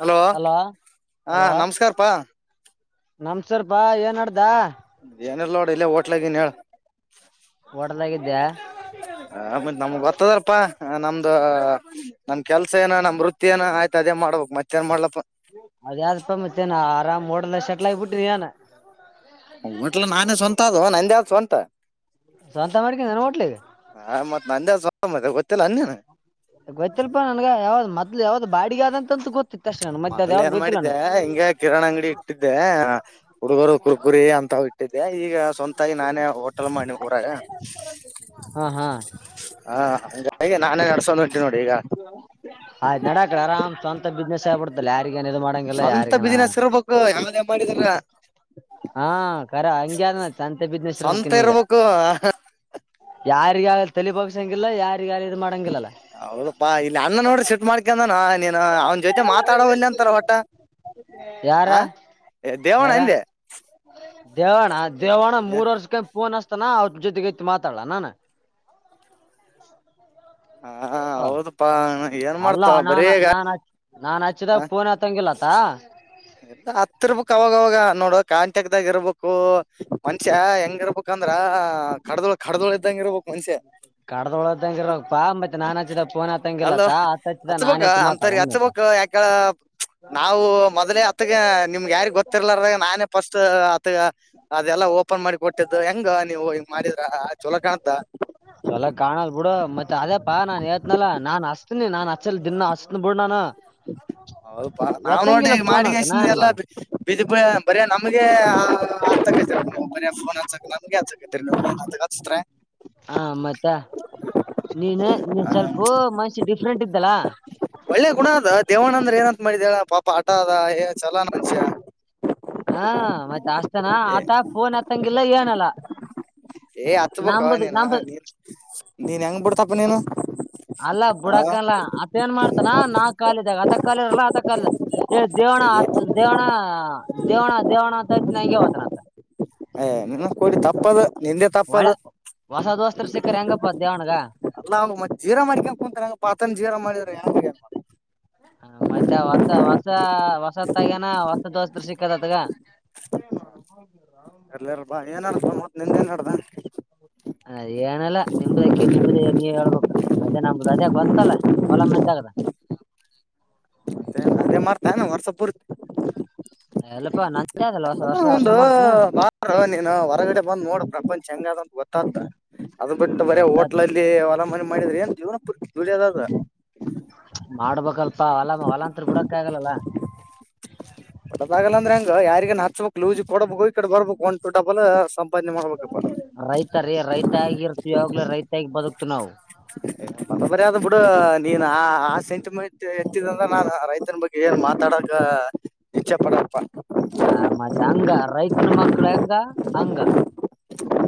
Hello hello ಹಾ hello ನಮಸ್ಕಾರಪಾ ನಮಸ್ಕರ ಅಪ ಏನ್ ನಡದ. ಅದ ಏನೀಲ್ಲ ನೋಡ ಇಲ್ಲ ಹೋಟ್ಲಗಿನ್ ಹೇಳ. ಹೋಟಲ್ಗಿದ್ದೆ ಹ ನಮ್ಮ ಗೊತ್ತದರಪಾ. ನಮ್ದು ನಮ್ ಕೆಲ್ಸ ಏನ ನಮ್ ವೃತ್ತಿ ಏನ ಆಯ್ತ ಅದೇ ಮಾಡ್ಬಬೇಕಕ್ ಮತ್ತೇಏನ್ ಮಾಡ್ಲಪ್ಪ ಅದ ಯಾವ್ದಪ್ಪ ಮತ್ತೇನ ಆರಾಮ್ ಓಡಲ್ಲ ಶೆಟ್ಲ್ ಆಗಿಬ ಬಿಟ್ಟರಿ ಏನ ಹಟ್ಲ್ಲ ನಾನೇ ಸ್ವಂತ ಆದ ನಂದೇ ಆದ ಸ್ವಂತ ಸ್ವಂತ ಮಾಡಿಕೊಂಡೆ ನಾ ಹೋಟ್ಲಾದು ಹ ಮತ್ತ ಗೊತ್ತಲ್ಲ ಅನ್ನ ಗೊತ್ತಲ್ಪಾ ನನ್ಗ ಯಾವ್ದ ಮೊದ್ಲು ಯಾವ್ದ ಅದು ಬಾಡಿಗೆ ಆದಂತಂತೂ ಗೊತ್ತಿತ್ತು ಅಷ್ಟೇ ನಾನು ಮಧ್ಯ್ಯಾ ಅದ್ ಮೊದಲ್ ಯಾವ್ದು ಏನ್ ಗೊತ್ತಿಲ್ಲ ನಾನು ಮಾಡಿದ್ದೆ ಹಿಂಗೆ ಕಿರಾಣ ಅಂಗಡಿ ಇಟ್ಟಿದ್ದೆ ಹುಡುಗರು ಕುರ್ಗುರಿ ಅಂತ ಇಟ್ಟಿದ್ದೆ ಈಗ ಸ್ವಂತಾಗಿ ನಾನೇ ಹೋಟೆಲ್ ಮಾಡಿ ಊರಾಗ ಹಾ ಹಾ ಹಾ ಹಾಗೆ ನಾನೇ ನಡ್ಸೋಡಂಟ ಆಯ್ತು ನಡಾಕಡೆ ಆರಾಮ್ ಅಂತ ಬಿಜ್ಞೇಶ್ ಕೊಡ್ತಲ್ಲ ಯಾರಗ ಇದು ಮಾಡಂಗಲ್ಲ ಸ್ವಂತ ಯಾರಗ ಬಿಸಿನೆಸ್ ಇರ್ಬೇಕು ಯಾವ್ದೇ ಮಾಡಿದ್ರ ಹಾ ಕರ ಹಂಗಗೆ ಅಂತೆ ಬಿದ್ನೆಸರ್ ಸ್ವಂತ ಬಕ್ಕನ್ ಈಗ ಇರ್ಬೇಕು ಯಾರಿಗ ತಲಿಪೋಗಸಂಗಿಲ್ಲ ಯಾರ [unintelligible] ಅಲ್ಲೇ ಅವಳಪ್ಪಾ ಇಲ್ಲಿ ಅನ್ನ ನೋಡ್ರಿ ಶಫ್ ಮಾಡ್ಕಂದಾನ ನೀನು ಅವನ ಜೊತೆ ಮಾತಾಡಲ್ಲಿ ಅಂತಾರ ಹೊಟ್ಟ ಯಾರಾ ದೇವಣ್ಣ ಯಾರ ಅಂದೆ ದೇವಣ ದೇವಣ ಮೂರ್ ವರ್ಷಕಾಯ ನ್ಸ್ತಾನ ಜೊತೆಗ ಮಾತಾಡಲ ನ ನ ಹಾ ಹೌದಪಾ ಏನ್ ಅಲ್ಲ ಮಾಡ್ತವ ನಾನ ಬರಗ ನಾನ್ ಹಚ್- ನಾನ್ ಹಚ್ಚಿದಾಗ ಪೋನ್ ಹತ್ತಂಗಿಲ್ಲತ್ತ ಎಲ್ಲ ಹತ್ ಇರ್ಬೇಕಕ್ ಅವಾಗವಾಗ ನೋಡು ಕಾಂಟಕ್ದಾಗ ಇರ್ಬೇಕು ಮನ್ಷ್ಯ ಹೆಂಗ ಇರ್ಬೇಕಂದ್ರ ಹ ಕಡದೋಳ ಕಡ್ದೊಳ ಇದ್ದಂಗಗೆ ಇರ್ಬೇಕು ಮನ್ಷ್ಯ ಕಡದ ಒಳದಂಗ ಇರವಪ್ಪಾ ಮತ್ತೆ ನಾನ್ ಹಚ್ಚಿದ ಪೋನ್ ಅಲ್ಲೋ ಹತ್ತಂಗಗೆಲ್ಲತ್ತ ಆತ್ ಹಚ್ಚಿದಾ ನಾನನ್ತಿ ಮಾತಡಣ ನಿಮ್ತೆ ಯಾಕಳ ಹ ಆದ್ರೆ ಅತ್ಗ ನಿಮ್ಗೆ ಯಾರಿಗ್ ಗೊತ್ತಿರ್ಲಾರಾಗ ನಾನೇ ಫಸ್ಟ್ ಮ ಅದೆಲ್ಲಾ ಓಪನ್ ಮಾಡಿ ಕೊಟ್ಟಿದ್ದು ಹೆಂಗ ನೀವು ಹಂಗ ಮಾಡಿದ್ರ ಚೊಲೋ ಕಾಣತಾ ಚೊಲ ಕಾಣಲ್ ಬಿಡು ಮತ್ತತ್ ಅದೇ ಪಾ ನಾನ್ ತ್ನಲ್ಲ ನಾನ್ ಹಸ್ತನಿ ನಾನ್ ಹಚ್ಚಲ್ ದಿನ ಹಸ್ತನ ಬಿಡ್ ನಾನು ಹೌದಾ ನಾವ್ ನೋಡ್ರಿ ಎತ್ತಂಗಿಲ್ಲ ಈಗ ಫೋನ್ ಆತ ಮಾಡಿಗಸ ನಾನ್ ಎಲ್ಲಾ ಮಾಡ ಬಿದಿಪಳ ಬರಯ ನಮಗೆ ಹತ್ತಕೈರಿ ಮ ಫೋನ್ ಹಕ ನಮ್ಗೆ ಹಕೈರಿ ನೀನ್ ಅಂತ ಹಚ್ತ್ರ ಹಾ ಮತ್ತ ನೀನು ನೀನ್ ಸ್ವಲ್ಪು ಮನ್ಷಿ ಡಿಫ್ರೆಂಟ್ ಇದ್ದಲ್ಲ ಒಳ್ಳೆ ಗುಣ ಅದ ದೇವಣ ಅಂದ್ರ ಏನಂತ ಮಾಡಿದಳ ಪಾಪ ಆಟ ಅದ ಏ ಚಲೋ ಮಂಷ್ಯ ಹಾ ಮತ್ತೆ ಆಸ್ತಾನ ಆತ ಪೋನ್ ಹತ್ತಂಗಿಲ್ಲ ಏನಲ್ಲ ಏ ಹತ್ಬೇಕ ನಂಬುದ್ ನೀನ ನಂಬ ನೀನ್ ನೀನ್ ಹೆಂಗ ಬಿಡ್ತಪ್ಪ ನೀನು ಅಲ್ಲ ಆ ಬಿಡಕಲ್ಲ ಅತ್ ಏನ್ ಮಾಡ್ತಾನ ನಾ ಕಾಲಿದಾಗ ಆತ ಕಾಲಿ ಇರಲ್ಲ ಅತ ಕಾಲ ದೇವ ದೇವಣ ದೇವಣ ದೇವಣ ದೇವಣ ಅಂತ ನಂಗಗೆ ಹೊತಾನ ಅಯ ನಿನ್ನ ಕಡಿ ತಪ್ಪದ ನಿಂದೆ ತಪ್ಪದ ಒಳೆ ಹೊಸ ದೋಸ್ತ್ರ ಸಿಕ್ಕ್ರ ಹೆಂಗಪ್ಪ ದೇವ್ಗ ಅಲ್ಲ ಅವ ಮತ್ ಜೀರ ಮಾಡ್ಕ ಕುಂತಂಗ ಪಾತನ್ ಜೀರಾ ಮಾಡಿದ್ರಂಗನ್ ಹ ಮತ್ತೆ ಹೊಸ ಹೊಸ ಹೊಸ ತಗನಾ ಹೊಸ ದೋಸ ಸಿಕ್ಕತ್ತ್ಗ ಸ ನ ರ ರಾಮದ ನಿಂದ ಏನ್ ನಡ್ದ ಅ ಏನಲ್ಲಾ ನಿಂಬುದಕ್ಕೆ ನಿಮುದ ನೀವ್ ಹೇಳ್ಬೇಕ ಮದ್ಯಾಹ್ ನಂಬುದ ಅದೇ ಗೊತ್ತಲ್ಲ ಹೊಲಮ್ಮ ಎಂತಾಗದ ಅ ಮಾಡ್ತಾ ವಾಟ್ಸಪ್ ಪೂರಿ ಎಲ್ಲಪಾ ನಜ ಅದಲ್ವಾ ಅದ ಒಂದು ಬಾರ ನೀನು ಹೊರಗಡೆ ಬಂದ್ ನೋಡು ಪ್ರಪಂಚ ಹೆಂಗದಂತ ಗೊತ್ತತ ಅದ್ ಬಿಟ್ಟು ಬರ ಗೊತ್ತ ಹೋಟ್ಲಲ್ಲಿ ಅವಲಾಮನೆ ಮಾಡಿದ್ರ ಏನ್ ಜೀವನ ಪು ಡಿಯೋದ ಅದ ಮಾಡ್ಬೇಕಲ್ಪ ಹೊಲ ಹೊಲಾಂತ್ ಬಿಡೋಕ ಆಗಲ್ಲಲ್ಲ ಕೊದಾಗಲ್ಲ ಅಂದ್ರೆ ಹಂಗ ಯಾರಿಗ ನ ಹಚ್ಬೇಕಕ್ ಲೂಜಿ ಕೊಡಬೇಕ ಈ ಕಡೆ ಬರ್ಬಕ್ ಒಂಟು ಡಬಲ್ ಸಂಪಾದನೆ ಮಾಡ್ಬೇಕಪ್ಪ ರೈತಾರಿ ರೈತಾಗಿರ್ತು ಯಾಗ್ಲೂ ರೈತಾಗಿ ಬದುಕ್ತು ನಾವು [unintelligible] ನ ನೀನ್ ಆ ಆ ಸೆಂಟಿಮೆಂಟ್ ಎತ್ತಿದ ಅಂದ್ರ ನಾನು ರೈತನ ಬಗ್ಗೆ ಏನ್ ಮಾತಾಡಕ ಇಚ್ಛೆ ಪಡಲ್ಲಪ್ಪ ಹ ಮತ್ತೆ ಹೆಂಗ ರೈತನ ಮಕ್ಳ ಹೆಂಗ ಹಂಗ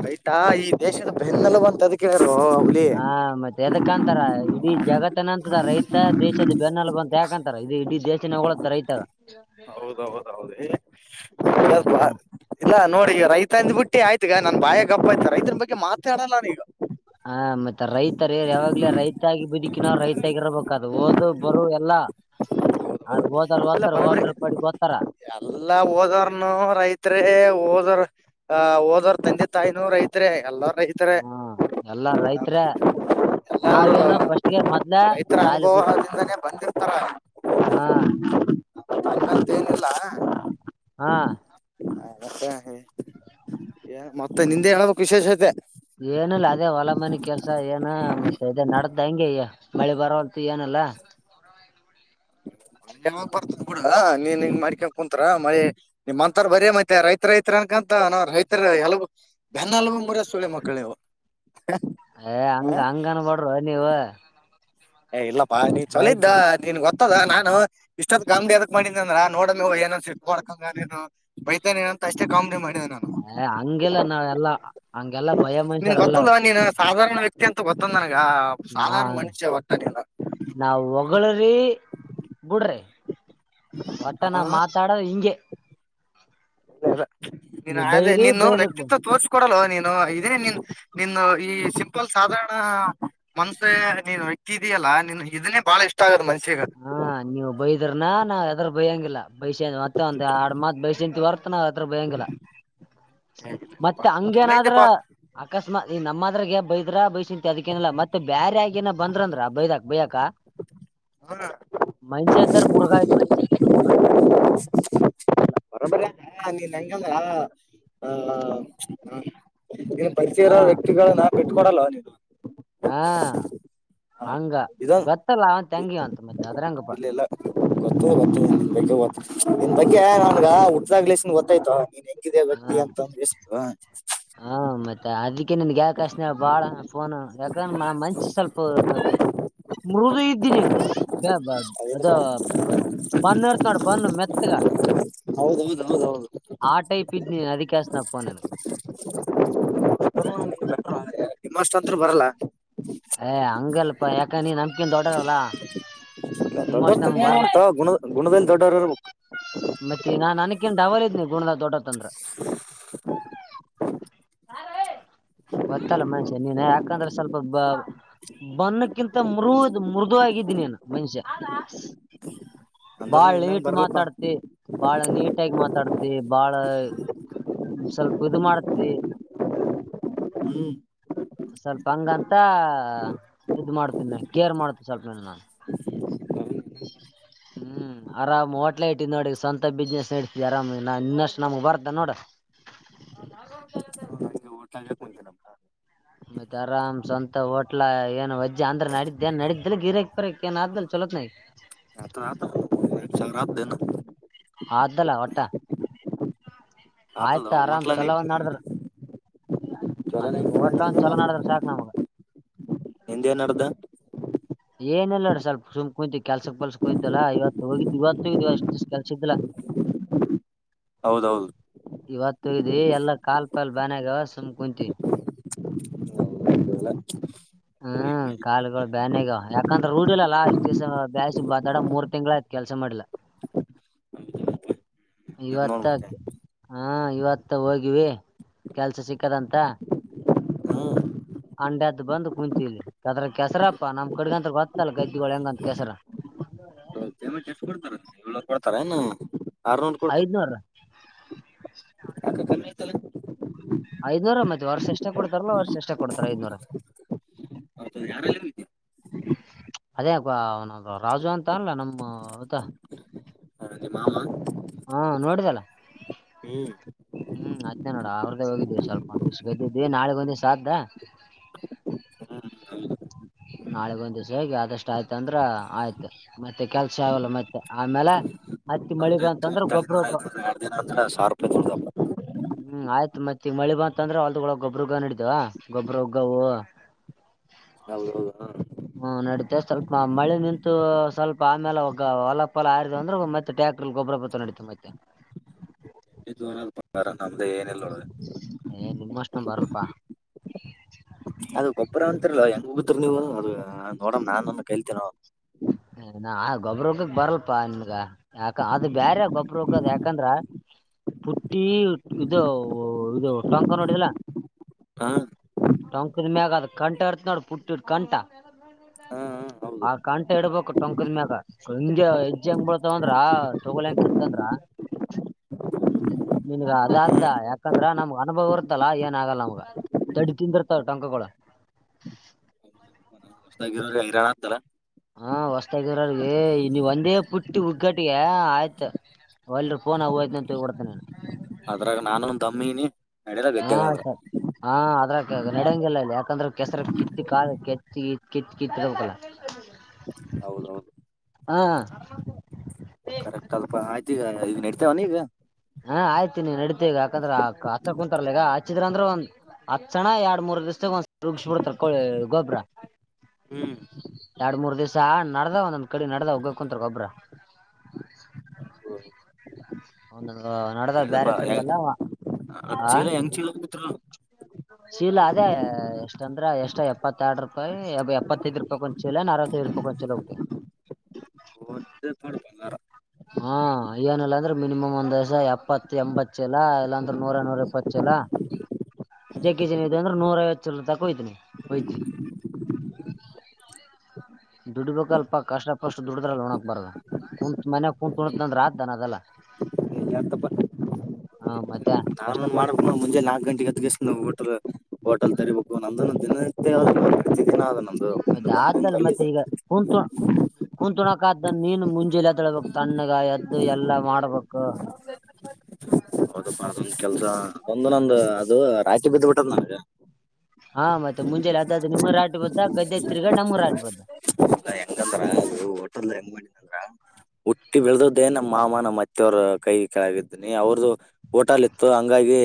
ರೈತಾ ಈ ದೇಶದ ಬೆನ್ನೆಲ್ಲಬ ಅಂತ ಎದಕ್ಕ ಹೇಳ್ಯಾರ ಓ ಹುಲಿ ಆ ಮತ್ ಎದಕ್ಕಂತಾರ ಇಡೀ ಜಗತ್ತನ ಅಂತದ ರೈತ ದೇಶದ ಬೆನ್ನೆಲುಬು ಅಂತ ಯಾಕಂತಾರ ಇದು ಇಡೀ ದೇಶನ್ ಹೊಗಳತ್ತ್ ರೈತನ್. ಹೌದೌದೌದುಲ್ಪ ಮತ್ತೆ ಇಲ್ಲ ನೋಡಿ ರೈತ್ ತಂದ್ಬ ಬಿಟ್ಟಿ ಆಯ್ತುಗ ನಾನ್ ಬಾಯ ಗಪ್ಪ ಆಯ್ತ ರೈತನ ಬಗ್ಗೆ ಮಾತೆಆಡಲ್ಲ ನೀನು ಹ ಮತ್ತೆ ರೈತರ ಯಾವಾಗ್ಲೇ ರೈತ ಆಗಿ ಬದುಕಿ ನಾವ್ ರೈತಗ ಇರ್ಬೇಕಾದದು ಓದು ಬರು ಎಲ್ಲಾ ಹೌ ಅವ್ರ ಓದಾರ ಇಲ್ಲ ಓದ್ತಾರ ಬರೋಬರಿ ಓದ್ರ ಪಡಿಗ್ ಓದ್ತಾರ ಎಲ್ಲಾ ಹೋದವರ್ನು ರೈತ ಓದರ್ ಅ ಓದೋರ್ ತಂದೆ ತಾಯಿನೋ ರೈತರೇ ಎಲ್ಲಾರ ರೈತರೇ ಹ್ಮಾ ಎಲ್ಲಾ ರೈತರೇ ಎಲ್ಲಾರು ನಾವೇನೋ ಫಸ್ಟ್ಗೆ ಮೊದ್ಲೇ ಸಾಲಿ ಬುಟ್ಟು [unintelligible] ಏನಿಲ್ಲಾ ಹಾ ಹ ಮತ್ತ ಮತ್ತೆ ನಿಂದೆ ಹೇಳಕ್ ವಿಶೇಷತೆ ಏನಲ್ಲ ಅದೇ ಹೊಲ ಮನೆ ಕೆಲ್ಸ ಏನು ಮತ್ತೆ ಇದೇ ನಡದ್ದ ಹಂಗೆ ಮಳಿ ಬರೋವಲ ಏನಲ್ಲ ಅಲ್ಲ ಮರಾವ ಬರ್ತದ ಕೂಡ ನೀನ್ ಹಂಗ ಮಾಡ್ಕೊಂಡ ಕುಂತರ ಮಳಿ ನಿಮ್ ಅಂತಾರ ಬರೇ ಮತ್ತೆ ರೈತ ರೈತ್ರ ಕಂತ ನ ರೈತರ ಎಲ್ಲೂ ಬೆನ್ನಲುಗು ಮುರಿ ಸಳಿ ಮಕ್ಕಳ ನಿವ್ ಏ ಹಂಗ ಹಂಗನ್ಬಡ್ರ ನೀವು ಏ ಇಲ್ಲಪ್ಪಾ ನೀ ಚಲೋದ್ದ ನೀನ್ ಗೊತ್ತ ದ ನಾನು ಇಷ್ಟೊತ್ ಕಾಮಿಡಿ ಎದಕ್ ಮಾಡಿದೆ ಅಂದ್ರ ನೋಡ ಏನ ಸಿ ಮಾಡ್ಕಂಗನು ಬೈತೇನೆ ಅಷ್ಟೇ ಕಾಮಿಡಿ ಮಾಡಿದ ಹಂಗೆಲ್ಲ ನಾವ ಎಲ್ಲಾ ಹಂಗೆಲ್ಲಾ ಭಯ ನಿನ್ ಮನುಷ್ಯರ್ ಅಲ್ಲ ಗೊತ್ತದ ನೀನ್ ಸಾಧಾರಣ ವ್ಯಕ್ತಿ ಅಂತ ಗೊತ್ತಂದ್ ನನಗ ನಾ ಸಾಧಾರಣ ಮನುಷ್ಯ ಒತಾನಲ್ಲನು [unintelligible] ಬಿುಡ್ರಿ ಒಟ್ಟ ನ ಹಾ ಮಾತಾಡ ಹಿಂಗೆ ಅ ನೀನ್ ನೀವ್ ಅದ ಬೈರಿ ನೀನು ಬೈರಕ್ ವ್ಯಕ್ತಿತ್ವ ತೋರ್ರಿಸ ಕೊಡಲ್ಲೋ ನೀನು ಇದೇ ನಿನ್ ನಿನು ಈ ಸಿಂಪಲ್ ಸಾಧಾರಣ ಮನ್ಸೆ ನೀನು ಎ್ಯಕ್ದೀಯಲ್ಲಾ ನೀನ್ ಇದನ್ನೇ ಬಾಳ ಇಷ್ಟ ಆಗದ ಮ ಹಾ ನೀವು ಬೈದ್ರನಾ ನಾವ್ ಎದರ್ ಬೈಯಂಗಿಲ್ಲ ಬೈಸ ಮತ್ತೆ ಒಂದ್ ಆಡ್ ಮಾತ್ ಬೈಸಂತ ಬರ್ತ ಬಯಂಗಿಲ್ಲ ಏ ಇಲ್ಲಪ್ಪಾ ಮತ್ತೆ ಚಲೋ ಹಂಗೇನಾದ್ರ ಐತೆಪಾ ಅಕಸ್ಮಾತ್ ಈ ನಮ್ಮ ಅದ್ರಾಗ ಬೈದ್ರ ಬೈಸಂತ ಅದಕ್ಕೇನಲ್ಲಾ ಮತ್ತೆ ಬೇರಾ ಆಗೇನ ಬಂದ್ರಂದ್ರ ಬೈದಾಕ್ ಬೈಯಾಕ ಹ ಮನುಷ್ಯ ಇದಾವ ಮೃಗ ಹಾ ನೀನ್ [unintelligible] ಇನ್ ಪರಿಚಯ ಇರೋ ಹಾ ವ್ಯಕ್ತಿಗಳ ನಾ ಬಿಟ್ಟಟ್ಕೊಡಲ್ಲವಾ ನೀ ಹಾ ಹಂಗ ಇದೊಂದ ಗೊತ್ತಲ್ಲ ಅವಂತ ಹೆಂಗಿವಂತ ಮತ್ತೆ ಅದ್ರಂಗಪ್ಪ ಇಲ್ಲ ಇಲ್ಲ ಗೊತ್ತ ಗೊತ್ತ ಬಗ್ಗೆ ನಿನ್ ಬಗ್ಗೆ ನನ್ಗ ಹುಾಗ್ಲಸನ್ ಗೊತ್ತಾಯ್ತು ನೀನ್ ಹೆಂಗಿದೆ ಹಾ ಬತ್ತಿ ಅಂತ ಒಂದಿಸ ಮತ್ತ ಅದಕ್ಕೆ ನನ್ಗೆ ಯಕಾಶನ ಬಾಳ ಫೋನು ಯಾಕಂದ್ರೆ ಮನ್ಸಿ ಸ್ವಲ್ಪ ಮೃದು ಇದ್ದಿ ನೀನು ಬ ಬಾ [unintelligible] ಬನ್ ಇಡ್ತ್ ನೋಡ್ ಬನ್ ಮೆತ್ತಗ ಹೌದೌದು ಹೌದ್ ಹೌದು ಆ ಟೈಪ್ ಇದ್ ನೀನ್ ಅದಕ್ಕೆ ಹಸ್ತನ ಫೋನ್ ನಿಮ್ಮಷ್ಟತ್ರರು ಬರಲ್ಲ ಏ ಹಂಗಲ್ಲಪ್ಪ ಯಾಕ ನೀ ನಂಬಿಕಿ ದೊಡ್ಡೋರಲ್ಲ ಇಲ್ಲ ದೊಡ್ಡವರ ತಗೊಂಡ್ ಏನ್ ಮಾಡ್ತೀಯೋ ಗುಣ ಗುಣದಲ್ಲಿ ದೊಡ್ಡವರ್ ಇರ್ಬೇಕು ಮತ್ತೆ ನಾನ್ ಅನಕನ್ಡ ಅವಲ ಇದ್ನಿ ಗುಣದ ದೊಡ್ಡತ್ಂದ್ರ ಗೊತ್ತಲ್ಲ ಮನುಷ್ಯ ನೀನ್ ಯಾಕಂದ್ರೆ ಸ್ವಲ್ಪ ಬ ಬನ್ನಕ್ಕಿಂತ ಮೃದ್ ಮೃದ ಆಗಿದ್ದನೇನು ಮನುಷ್ಯ ಅಂದ್ರ ಬಾಳ್ ನಿನ್ನಂಗ ನೀಟ್ ಬರಲ್ಲಪ್ಪಾ ಮಾತಾಡ್ತಿ ಬಾಳ ನೀಟಾಗಿಿ ಮಾತಾಡ್ತಿ ಬಾಳ ಸ್ವಲ್ಪ ಇದು ಮಾಡ್ತವಿ ಹ್ಮ್ ಸ್ವಲ್ಪ ಹಂಗಂತ ಮತ್ತ ಇದ್ ಮಾಡ್ತೇನ ಕೇರ್ ಮಾಡ್ತೇನ ಸ್ವಲ್ಪ ಮೇ ನಾಾನು ಹ್ಮ್ ಆರಾಮ್ ಹೋಟ್ಲ ಇಐಟ್ಟ್ ನೋಡ ಸ್ವಂತ ಬಿಸ್ನೆಸ್ ನಡ್ಸ್ತಿ ಆರಾಮ ನ ಇನ್ನಷ್ಟು ನಮ್ಗ್ ಬರ್್ದ ನೋಡ್ರ ಹ ನಾಗ ಒ್ ಚಲದ ಅದು ಮತ್ತತ್ ಆರಾಮ್ ಸ್ವಂತ ಹೋಟ್ಲಾ ಏನ್ ವಜ್ಜ ಅಂದ್ರೆ ನಡಿದ್ದ ಏನ್ ನಡ್ದಲ್ ಗಿರಕ್ ಪರಕ್ ಏನ್ಾದ ಚೊಲ ಹ ಹ ರತ ಚ ರತದೆನು ಆದ್ದಲ್ಲ ಒಟ್ಟ ಆತದ ಆಯ್ತಾ ಆರಾಮ್ ಹೋಟ್ಲನ ಚಲೋ ಒಂದ್ ಇತೀನಿ ನಡಿದ್ರ ಅ ಚಲನ ನಿಮ್ ೋಟ್ಲ ಒಂದ ಚಲೋ ನೋಡದ್ರ ಸಾಕ್ ನಮಗ ನಿಿಂದೇಏ ನಡ್ದ ಏನಲ್ಲಾಡ ಸ್ವಲ್ಪ ಸುಮ್ ಕುಯ್ವಿ ಕೆಲ್ಸಕ್ ಪಲ್ಸ ಹೋಯ್ಲ್ಲಾ ಇವತ್ತು ಹೋಗಿದ್ದ್ ಇವತ್ತುೋಗಿದಿವ ಎಷ್ಟುಷ್ಟು ಕೆಲ್ಸ್ದಾ ಹ ಹೌದೌದು ಇವತ್ತು ಇದ ಎಲ್ಲಾ ಕಾಲ್ ಪಾಲ್ ಬನ್ಯಾಗವ ಸುಮ್ ಕುಂತೀವಿ ಹ ಹ ಕಾಲುಗಳು ಬ್ಯಾನಾಗ ಯಾಕಂದ್ರೆ ರೂಡಿಲ್ಲಲ್ಲಾ ಅಷ್ಟ ಬ್ಯಸ ಬಾಡ ಮೂರ್ ತಿಂಗ್ಳ ಆಯ್ತತ್ ಕೆಲಸ ಮಾಡ್ಲ ಹ ಇವತ್ತ ನೋಡ್ ಮತ್ತೆ ಹಾ ಇವತ್ತ ಹೋಗಿವಿ ಕೆಲ್ಸ ಸಿಕ್ಕದಂತ ಹ್ಮ್ ಹಂಡದ್ದು ಬಂದ್ ಕುಂತಲಿ ಅದ್ರ ಕೆಸರಪ್ಪಾ ನಮ್ ಕಡ್ಗಂತ ಗೊತ್ತಲ್ಲ ಗದ್ದಿಗಳು ಹೆಂಗಂತ ಕೆಸರ ಪೇಂಟ್ ಎಷ್ಟು ಕೊಡ್ತಾರ ಏಳ್ನೂರು ಕೊಡ್ತಾರ ಏನ್ನು ಆರ್ನೂರ್ ಕೊಡ್ತಾರ ಐದ್ನೂರ ಐದನೂರ ಮತ್ತ ವರ್ಷ ಎಷ್ಟ ಕೊಡ್ತಾರಲ್ಲ ವರ್ಷ ಎಷ್ಟ ಕೊಡ್ತಾರ ಐದನೂರ ಅದೇ ರಾಜು ಅಂತ ಅಲ್ಲ ನಮ್ಮ ದ ನಿಮ್ಮ ಮಾಮ ಹಾ ನೋಡಿದಲ್ಲ ಹ್ಮ್ ಹ್ಮ್ ಅತ್ನೇ ನೋಡ ಅವ್ರದ್ದೇ ಹೋಗಿದ್ವಿ ಸ್ವಲ್ಪ ಒಂದ ದಿಷ್ಟ್ ಗಗೆದ್ದಿದ್ವಿ ನಾಳೆ ಒಂದೇ ಸಾಧ್ಯ್ದ ಹ ನಾಳೆಗ್ ಒಂದ್ ದಿವ್ಸ ಹೇಗೆ ಆದಷ್ಟು ಆಯ್ತ ಅಂದ್ರ ಆಯ್ತು ಮತ್ತೆ ಕೆಲ್ಸ ಆಗಲ್ಲ ಮತ್ತೆ ಆಮೇಲೆ ಹತ್ತಿ ಮಳೆ ಬ ಇ ಐನೂ ಐನರ ಎರಡು ದಿನ ಅ್ರ ಸಾವಿ ರೂಪಾಯ ತೊಡ್ದ ಹ್ಮ್ ಆಯ್ತ್ ಮತ್ತೆ ಮಳಿ ಬಂತಂದ್ರೆ ಹೊಲ್ದಳ ಗೊಬ್ಬ್ರಗ್ಗ ನಡಿತವ ಗೊಬ್ಬ್ರ ಹಗ್ಗವು ಹೌದು ಹೌದು ಹ್ಮ ನಡಿತ ಸ್ವಲ್ಪ ಮಳೆ ನಿಂತು ಸ್ವಲ್ಪ ಆಮೇಲೆ ಒಗ್ಗ ಹೊಲಫಲ ಆಯತ ಅಂದ್ರೆ ಮತ್ತೆ ಟಲ್ ಗಬರ ಪತ್ರ ನಡತ ಮ ಎೋನ ಪಾರ ನಮ್ದೇ ಏನ ಇಿಲ್ಲೋ ಏ ನಿಮ್ಮ ಅಷ್ಟೊಂದು ಬರಲ್ಪಾ ಅದು ಗೊಬ್ಬರ ಅಂತಿಲ್ಲ ಹೆಂಗ್ ಹೋಗತ್ ನೀವು ಅದ ನೋಡ ನಾನಂದ ಕೇಳ್ತೇನ ನ ಗೊಬ್ಬ್ರ ಹಗಕ್ ಬರಲ್ಪಾ ನಿಮಗ ಯಾಕ ಅದು ಬೇರೆ ಗೊಬ್ಬ್ರ ಹಗ್ಗದ ಯಾಕಂದ್ರ ಪುಟ್ಟಿ ಇದು ಇದು ಟೊಂಕ ನೋಡಿದಲ್ಲ ಹಾ ಟೊಂಕದ ಮ್ಯಾಗ ಅದ ಕಂಠ ಇರ್ತ ನೋಡ ಪುಟ್ಟಿಟ್ಟ ಕಂಠ ಹಾ ಹಾ, ಹೌದು ಆ ಕಂಠ ಇಡ್ಬೇಕು ಟೊಂಕದ ಮ್ಯಾಗ ಹಂಗ ಹೆಜ್ಜೆ ಹೆಂಗ ಬರ್ತಾವಂದ್ರ ತಗೊಳಂಗ ಕತ್ತಂದ್ರ ನಿನ್ಗ ಅದಾದ್ದ ಯಾಕಂದ್ರ ನಮ್ಗ ಅನುಭವ ಇರುತ್ತಲ್ಲಾ ಏನ್ ಆಗಲ್ಲ ಅವಮ್ಗ ತಡಿ ತಿಂದಿ್ರತಾವ ಟಂಕಕೋಳ ಹೈರಾಣ ಅಂತಲ್ಲ ಹಾ ಹೊಸ್ತಾಗ್ದರಗ ನೀ ಒಂದೇ ಪುಟ್ಟಿ ಹುಗ್ಗಟ್ಟಿಗೆ ಆಯ್ತು ಒಲ್ರು ಪೋನ ಹೌದು ಹ್ತಂತಗಡ್ತೇನೆ ಅದ್ರಾಗ ನಾನೊಂದ ತಮ್ಮಿನಿ ಹಾ ಸರಿ ಹಾ ಅದ್ರ ನಡಂಗಲ್ಲ ಇಲ್ಲಿ ಯಾಕಂದ್ರೆ ಕೆಸರ ಕಿತ್ತ ಕಾ ಕಿತ್ತ ಕಿ ಕಿತ್ತ ಕಿತ್ತ ಇಡಲ್ಲ ಹೌದೌದು ಹಾ ಕರೆಕ್ಟ್ ಅಲ್ಪ ಆಯ್ತ ಈಗ ಈಗ ನಡ್ತವ ನೀ ಈಗ ಹಾ ಆಯ್ತತಿ ನೀ ನಡೀತಿ ಈಗ ಯಾಕಂದ್ರೆ ಆ ಹಾಕ್ ಕುಂಂತರ್ಲ ಈಗ ಹಾಚಿದ್ರ ಅಂದ್ರೆ ಒಂದು ಹತ್ಸಣ್ಣ ಎರಡ್ ಮೂರ್ ದಿವ್ಸದಾಗ ಒಂದ ರುಗಿಸಬಿಡ್ತಾರ ಕೋಳಿ ಗೊಬ್ಬ್ರ ಹ್ಮ್ ಎರಡ್ ಮೂರ್ ದಿವ್ಸ ನಡ್ದಾವ ಒಂದೊಂದ್ ಕಡೆ ನಡ್ದ ಒ ಕುಂತರ್ ಗೊಬ್ರ [inaudible] ಒ ನಡದ ಕೇಳ್ದಪ್ಪ ಬೇರೆ ಹೆಂಗ್ ಕಡೆಗಲ್ಲ ಅದ್ ಆ ಚೀಲ ಹೆಂಗ್ ಚೀಲ ಬಿತ್ರ ಚೀಲ ಅದೇ ಎಷ್ಟ ಅಂದ್ರ ಎಷ್ಟ್ ಎಪ್ಪತ್ತ ಆರಡು ರೂಪಾಯಿ ಎಪ್ಪತ್ತೈದ್ ರೂಪಾಯ್ಂ ಚೀಲ ನ ಇಕ ಚಲಗಟ ಹಡ್ ಹಾ ಏನಲ್ಲಾಂದ್ರೆ ಮಿನಿಮಮ್ ಒಂದ್ಸ ಎಪ್ಪತ್ತ ಎಂಬತ್ತ್ತಲಾ ಇಲ್ಲಾಂದ್ರೆ ನೂರ ನೂರ ಎಪ್ಪತ್ತುಲ ಜಕ ಜಿನ ಇ ಅಂದ್ರೆ ನೂರ ಐವತ್ತು ಸಲ ತಕ ಹಯ್ತನಿ ಯ್ತಿವಿ ಹ ದುಡ್ಬೇಕಕ್ ಅಲ್ಪ ಕಷ್ಟ ಪಷ್ಟ ದುಡ್ದ್ರಲ್ಲಿ ಒಣಕ್ಬಾರ್ದು ಕುಂಂತತ್ ಮನ್ಯಾಗ ಕುಂತ್ು ಅಂದ್ರ ಆದ್ದಾನನ್ ಅದೆಲ್ಲ ಹ ಹಾ ಮತ್ತೆ ಕಷ್ಟ ನಾನುನ್ ಪಷ್ಟ ಮಾಡ್ಬೇಕು ಕುಂತ್ ಮುಂಜೆ ನಾಕ್ ಗಂಟೆಗೆ ಕದಗಸ್ ಬಿಟ್ರ ಹೋಟಲ್ ತರಿಬೇಕು ನಂದಂದ ದಿನ ಮ ಚಕ್ಕನ ಅದ ನಂದು ಒಂದು ಒಂದಿನದಲ್ಲಿ ಹಂತ ಕುೂತ್ಣಕಾದ್ದ ನೀನು ಮುಂಜಿಲ್ಲಾ ತೊಳ್ಬೇಕಕ್ ತಣ್ಣಗ ಎದ್ದು ಎಲ್ಲಾ ಮಾಡ್ಬೇಕು ಹ ಹೌದಪ್ಪ ಅದೊಂದು ಕೆಲಸ ಒಂದು ನಂದು ಅದು ರಾತ್ಿ ಬಿದ್ದ್ ಬಿಿಟ್ಟದ ನನಗೆ ಹಾ ಮತ್ತೆ ಮುಂಜೆ ಅದಾದದು ನಿಮಗರು ಆಾಟಬದ್ದ ಗದ್ದೆ ತಿರ್ಗಾ ನಮಗರು ಆಟಬುದ್ದ ಹೆಂಗಂದ್ರ ಹೋಟೆಲ್ ಹೆಂಗ್ ಮಾಡಿದಂದ್ರ ಹುಟ್ಟಿ ಬೆಳದದ್ದೇ ನಮ್ಮ ಮಾಮ ನಮ್ಮ್ ಅತ್ತೆವರ ಕೈ ಕೆಳಗಿದ್ದನಿ ಅವ್ರದ್ದು ಊಟಾಲ ಇತ್ತು ಹಂಗಾಗಿ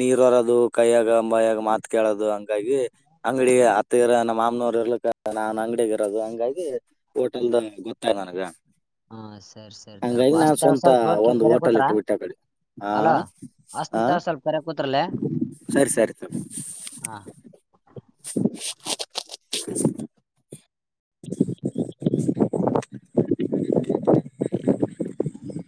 ನೀರ್ ಹೊರೋದು ಕೈಯಾಗ ಅಂಬಯಾಗ ಮಾತ ಕೇಳೋದು ಹಂಗಾಗಿ ಅಂಗಡಿ ಅತ್ತಗರ ನಮ್ಮ ಮಾಮನವರು ಇರ್ಲಿಕ್ಕ ನಾನು ಅಂಗಡಿಗೆ ಇರೋದು ಹಂಗಾಗಿ ಲ್ ಗೊತ್ತಾಯ ನನಗ ಹಾ ಸರಿ ಸರಿ ತಗಪ್ಪ ಹಂಗಾಗಿ ನಾನ್ ಹಚ್ತಾರ ಸ್ವಂತ ಸ್ವಲ್ಪ ಒಂದು ಹೋಟೆಲ್ ಕರ್ಯಾಕುತ್ರ ಇಟ್ಟು ಬಿಟ್ಟ ಕಡೆ ಹಾ ಆ ಹಚ್ತಿನ್ ತಗೋ ಸ್ವಲ್ಪ ಕರ್ಯಾಕುತ್ರಲೇ ಸರಿ ಸರಿ ಸರಿ ಹಾ. [inaudible] [inaudible] [inaudible]